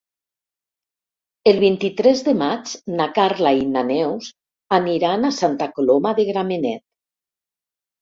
El vint-i-tres de maig na Carla i na Neus aniran a Santa Coloma de Gramenet.